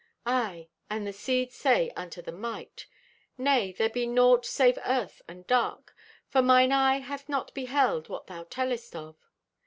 "Aye, and the Seed did say unto the Mite: "'Nay, there be a naught save Earth and dark, for mine eye hath not beheld what thou tellest of.